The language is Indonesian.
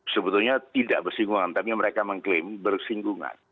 sebetulnya tidak bersinggungan tapi mereka mengklaim bersinggungan